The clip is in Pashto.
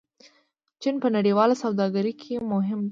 چین په نړیواله سوداګرۍ کې مهم دی.